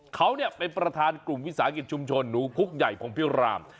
เขาเป็นประธานกลุ่มวิสาหกิจชุมชนหนูพุกใหญ่พงพิวราม